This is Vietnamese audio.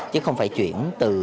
chứ không phải chuyển từ nơi này